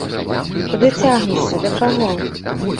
Куды цягнешся, да каго?